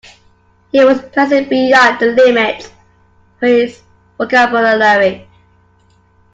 He was pressing beyond the limits of his vocabulary.